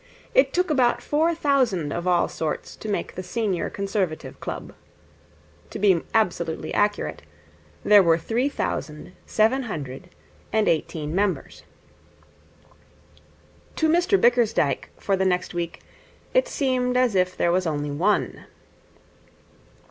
It took about four thousand of all sorts to make the Senior Conservative Club. To be absolutely accurate, there were three thousand seven hundred and eighteen members. To Mr Bickersdyke for the next week it seemed as if there was only one.